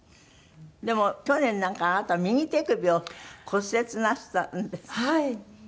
でも去年なんかあなた右手首を骨折なすったんですって？